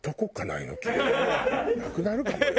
なくなるかもよ。